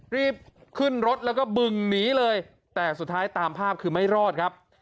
รีบขึ้นรถแล้วก็บึงหนีเลยแต่สุดท้ายตามภาพคือไม่รอดครับ